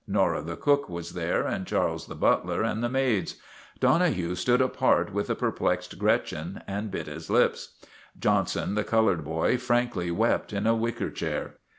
Nora the cook was there, and Charles the butler, and the maids. Donohue stood apart with the perplexed Gretchen and bit his lips. Johnson, the colored boy, frankly wept in a wicker chair.